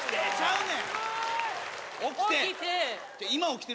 起きて。